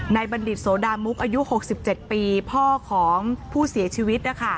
บัณฑิตโสดามุกอายุ๖๗ปีพ่อของผู้เสียชีวิต